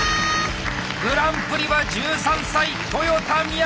グランプリは１３歳豊田雅！